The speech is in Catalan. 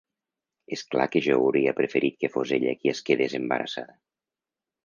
És clar que jo hauria preferit que fos ella qui es quedés embarassada.